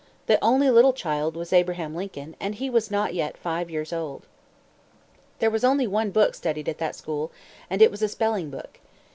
The only little child was Abraham Lincoln, and he was not yet five years old. There was only one book studied at that school, and it was a spelling book.